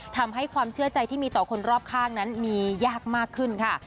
ทำให้ความเชื่อใจที่มีต่อคนรอบข้างนั้นมียากมากขึ้นค่ะ